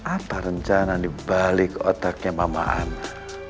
apa rencana dibalik otaknya mama ana